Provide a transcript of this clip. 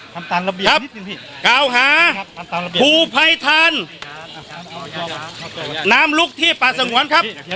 ครับเก่าหาครับครับครับผู้ไพทานน้ำลุกที่ป่าสงวัลครับ